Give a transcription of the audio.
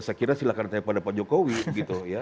ya sekian silahkan tanya kepada pak jokowi gitu ya